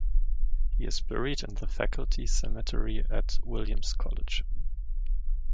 He is buried in the faculty cemetery at Williams College.